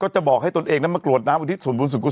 จะบอกให้ตนเองนะมากรวดน้ำอุทิศส่วนบูรณ์ส่วนกุฎสน